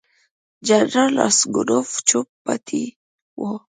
جنرال راسګونوف چوپ پاتې وو.